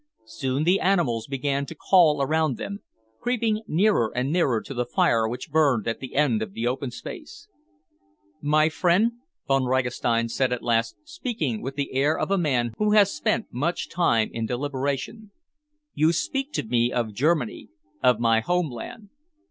Soon the animals began to call around them, creeping nearer and nearer to the fire which burned at the end of the open space. "My friend," Von Ragastein said at last, speaking with the air of a man who has spent much time in deliberation, "you speak to me of Germany, of my homeland.